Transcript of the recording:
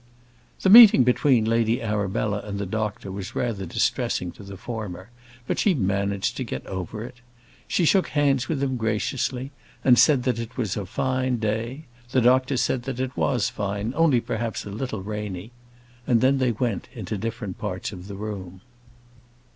The meeting between Lady Arabella and the doctor was rather distressing to the former; but she managed to get over it. She shook hands with him graciously, and said that it was a fine day. The doctor said that it was fine, only perhaps a little rainy. And then they went into different parts of the room.